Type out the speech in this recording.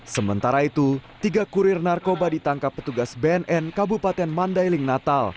sementara itu tiga kurir narkoba ditangkap petugas bnn kabupaten mandailing natal